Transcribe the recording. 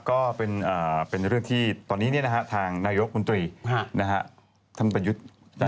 ก็เป็นเรื่องที่ตอนนี้ทางนายกบุญตุิทำแต่ยุทธิ์